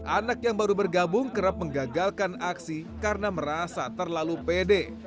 anak yang baru bergabung kerap menggagalkan aksi karena merasa terlalu pede